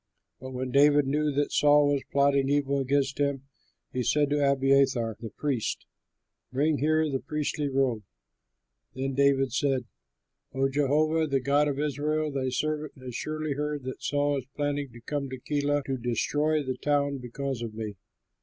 But when David knew that Saul was plotting evil against him, he said to Abiathar the priest, "Bring here the priestly robe." Then David said, "O Jehovah, the God of Israel, thy servant has surely heard that Saul is planning to come to Keilah, to destroy the town because of me.